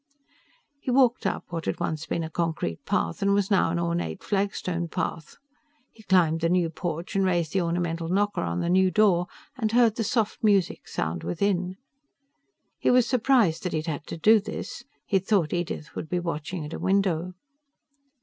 He walked up what had once been a concrete path and was now an ornate flagstone path. He climbed the new porch and raised the ornamental knocker on the new door and heard the soft music sound within. He was surprised that he'd had to do this. He'd thought Edith would be watching at a window.